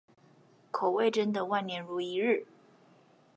口味真的萬年如一日